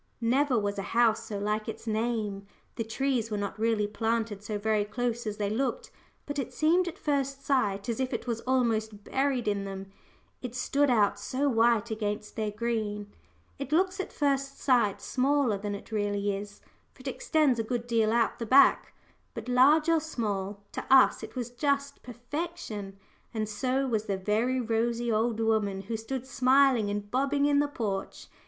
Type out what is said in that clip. Never was a house so like its name! The trees were not really planted so very close as they looked, but it seemed at first sight as if it was almost buried in them: it stood out so white against their green. It looks at first sight smaller than it really is, for it extends a good deal out at the back. But large or small, to us it was just perfection, and so was the very rosy old woman who stood smiling and bobbing in the porch.